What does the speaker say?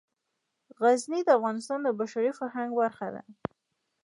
غزني د افغانستان د بشري فرهنګ برخه ده.